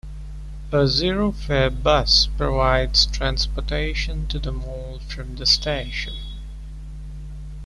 A zero-fare bus provides transportation to the mall from the station.